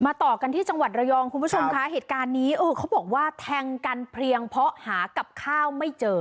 ต่อกันที่จังหวัดระยองคุณผู้ชมคะเหตุการณ์นี้เออเขาบอกว่าแทงกันเพียงเพราะหากับข้าวไม่เจอ